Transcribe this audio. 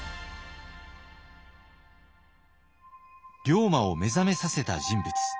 龍馬を目覚めさせた人物。